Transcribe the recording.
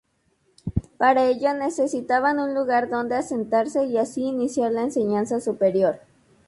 Para ello necesitaban un lugar donde asentarse y así iniciar la enseñanza superior.